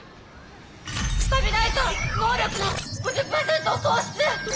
スタビライザー能力の５０％を喪失！